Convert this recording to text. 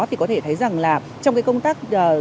thì có thể thấy rằng là trong cái công tác